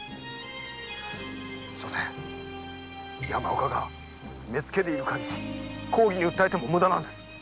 しょせん山岡が目付でいる限り公儀に訴えても無駄なんです。